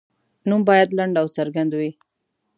نوم باید لنډ او څرګند وي.